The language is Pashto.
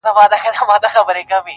خو هر غوږ نه وي لایق د دې خبرو٫